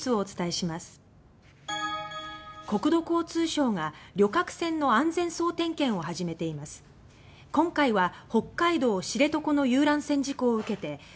国土交通省は今日旅客船の安全総点検を始めました。